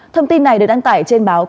thông tin này được đăng tải trên báo